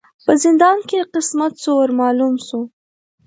په زندان کی یې قسمت سو ور معلوم سو